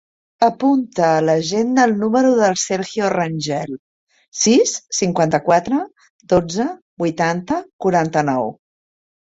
Apunta a l'agenda el número del Sergio Rangel: sis, cinquanta-quatre, dotze, vuitanta, quaranta-nou.